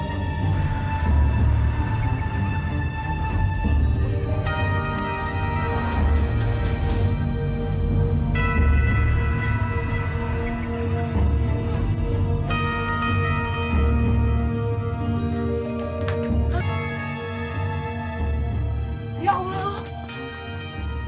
enggak saya yang kekenyangan